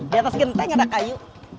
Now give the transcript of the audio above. di atas genteng ada kayu